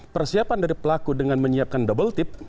persiapan dari pelaku dengan menyiapkan double tip